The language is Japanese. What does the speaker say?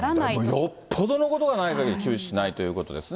よっぽどのことがないかぎり、中止しないということですね。